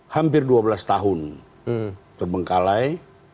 hampir dua belas tahun terbengkalai